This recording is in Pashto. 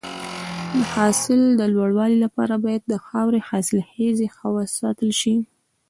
د حاصل د لوړوالي لپاره باید د خاورې حاصلخیزي ښه وساتل شي.